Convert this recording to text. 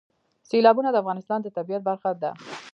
سیلابونه د افغانستان د طبیعت برخه ده.